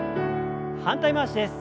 反対回しです。